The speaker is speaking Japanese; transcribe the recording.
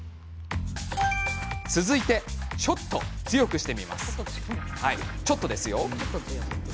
続いてちょっと強くしてみます。